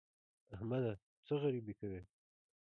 احمده! څه غريبي کوې؟